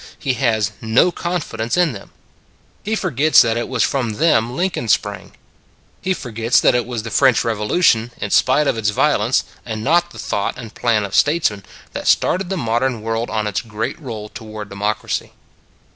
He has no confidence in them. He forgets that it was from them Lin coln sprang. He forgets that it was the French Revo lution, in spite of its violence, and not the thought and plan of statesmen, that started the modern world on its great roll toward democracy.